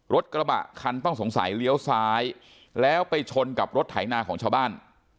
รถกระบะคันต้องสงสัยเลี้ยวซ้ายแล้วไปชนกับรถไถนาของชาวบ้าน